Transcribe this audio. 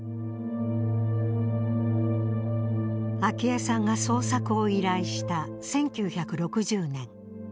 アキヱさんが捜索を依頼した１９６０年。